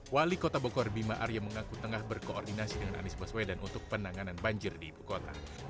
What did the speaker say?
wali kota bogor bima arya mengaku tengah berkoordinasi dengan anies baswedan untuk penanganan banjir di ibu kota